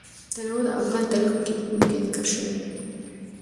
تنوع د افغان تاریخ په کتابونو کې ذکر شوی دي.